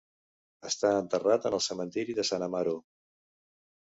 Està enterrat en el cementiri de San Amaro.